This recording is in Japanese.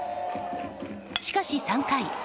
しかし、３回。